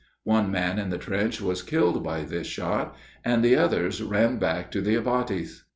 One man in the trench was killed by this shot, and the others ran back to the abatis.